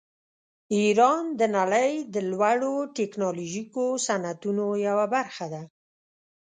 ایران د نړۍ د لوړو ټیکنالوژیکو صنعتونو یوه برخه ده.